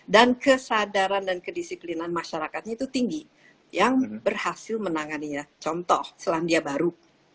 dan kesadaran dan kedisiplinan masyarakatnya itu tinggi yang berhasil menangani contoh selandia baru